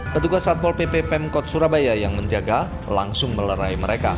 petugas satpol pp pemkot surabaya yang menjaga langsung melerai mereka